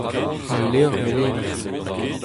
Al levr melenañ.